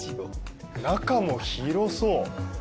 中も広そう。